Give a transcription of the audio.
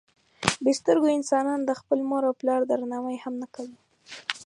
بې سترګو انسانان د خپل مور او پلار درناوی هم نه کوي.